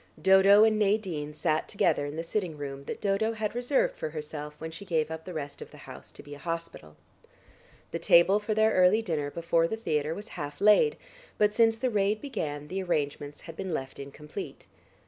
Dodo and Nadine sat together in the sitting room that Dodo had reserved for herself when she gave up the rest of the house to be a hospital. The table for their early dinner before the theatre was half laid, but since the raid began the arrangements had been left incomplete.